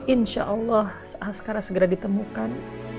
insya allah sekarang segera ditemukan